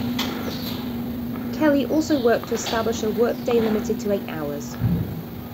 Kelley also worked to establish a work-day limited to eight hours.